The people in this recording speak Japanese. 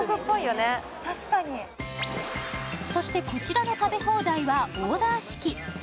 そしてこちらの食べ放題はオーダー式。